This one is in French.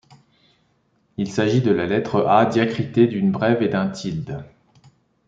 Il s’agit de la lettre A diacritée d’une brève et d’un tilde.